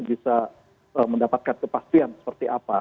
bisa mendapatkan kepastian seperti apa